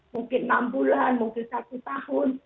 mungkin enam bulan mungkin satu tahun